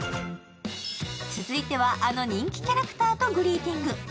続いては、あの人気キャラクターとグリーティング。